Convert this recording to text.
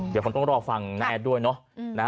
เดี๋ยวคนต้องรอฟังน้าแอดด้วยนะ